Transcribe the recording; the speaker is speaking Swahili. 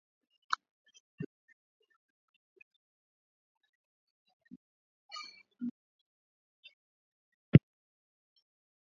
Mbuzi na kondoo wote wanaweza kuambukizwa ugonjwa huu lakini huathiri mbuzi zaidi